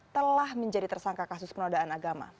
telah menjadi tersangka kasus penodaan agama